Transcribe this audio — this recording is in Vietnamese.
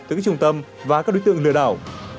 từ các trung tâm và các đối tượng lừa đảo